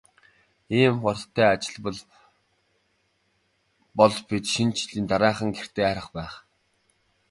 Ийм хурдтай ажиллавал бол бид Шинэ жилийн дараахан гэртээ харих байх.